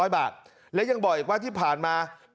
๐บาทและยังบอกอีกว่าที่ผ่านมา